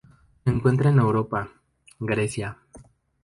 Se encuentra en Europa: Grecia.